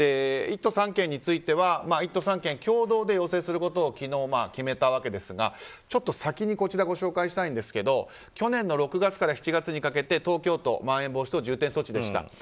１都３県については１都３県共同で要請することを昨日決めたわけですが先にご紹介したいんですが去年の６月から７月にかけて東京都はまん延防止等重点措置でした。